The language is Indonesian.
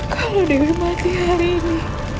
kalau dirimati hari ini